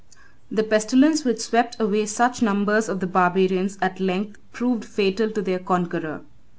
] The pestilence which swept away such numbers of the barbarians, at length proved fatal to their conqueror.